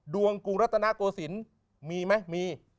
กรุงรัตนโกศิลป์มีไหมมี